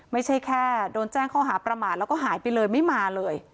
ไม่ใช่แค่โดนแจ้งข้อหาประมาทแล้วก็หายไปเลยไม่มาเลย